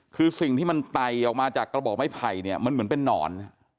คือสิ่งที่มันไตออกมาจากกระบอกไม้ไผ่เนี่ยมันเหมือนเป็นนอน